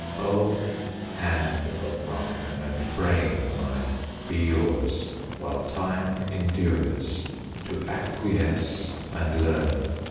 O hand of mine and brain of mine, be yours, While time endures, To acquiesce and learn!